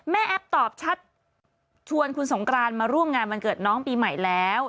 แอปตอบชัดชวนคุณสงกรานมาร่วมงานวันเกิดน้องปีใหม่แล้ว